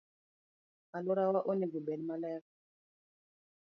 Aluorawa onego obed maler.